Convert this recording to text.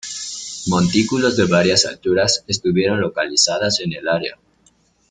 Montículos de varias alturas estuvieron localizadas en el área.